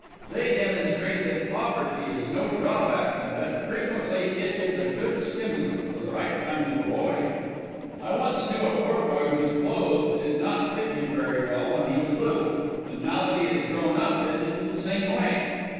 They demonstrate that poverty is no drawback, and that frequently it is a good stimulant for the right kind of a boy. I once knew a poor boy whose clothes did not fit him very well when he was little, and now that he is grown up it is the same way.